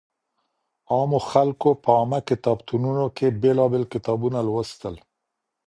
عامو خلګو په عامه کتابتونونو کي بېلابېل کتابونه لوستل.